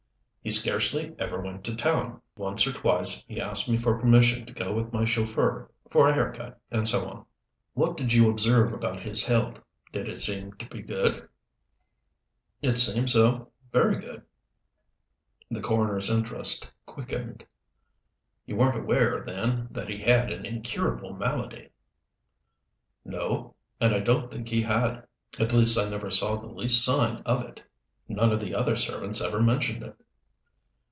"He scarcely ever went to town. Once or twice he asked me for permission to go with my chauffeur for a hair cut, and so on." "What did you observe about his health? Did it seem to be good?" "It seemed so. Very good." The coroner's interest quickened. "You weren't aware, then, that he had an incurable malady?" "No. And I don't think he had. At least I never saw the least sign of it. None of the other servants ever mentioned it."